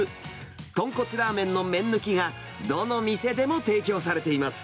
豚骨ラーメンの麺抜きがどの店でも提供されています。